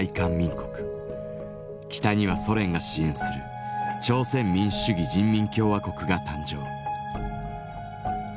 北にはソ連が支援する朝鮮民主主義人民共和国が誕生。